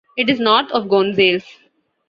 It is north of Gonzales.